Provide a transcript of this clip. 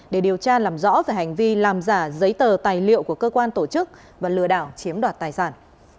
để điều tra làm rõ về hành vi làm giả giấy tờ tài liệu của cơ quan tổ chức và lừa đảo chiếm đoạt tài sản